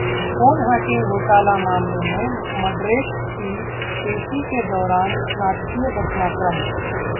phone hacking घोटाला मामले में मडरेक की पेशी के दौरान नाटकीय घटनाक्रम